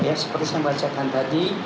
ya seperti saya bacakan tadi